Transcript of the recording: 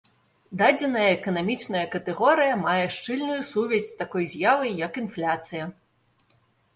Дадзеная эканамічная катэгорыя мае шчыльную сувязь з такой з'явай, як інфляцыя.